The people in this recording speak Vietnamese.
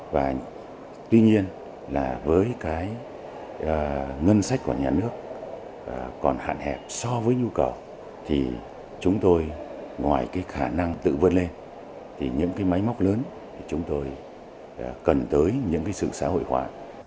và tuy nhiên là với cái ngân sách của nhà nước còn hạn hẹp so với nhu cầu thì chúng tôi ngoài cái khả năng tự vươn lên thì những cái máy móc lớn thì chúng tôi cần tới những cái sự xã hội hóa